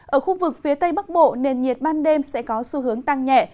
ở khu vực phía tây bắc bộ nền nhiệt ban đêm sẽ có xu hướng tăng nhẹ